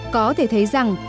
có thể thấy rằng